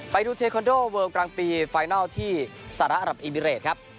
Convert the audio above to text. ไปดูเทคอนโดเวิลกลางปีไฟนัลที่สหรัฐอรับอิมิเรตครับ